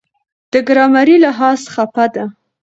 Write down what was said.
دا ګرامري لحاظ څپه ده.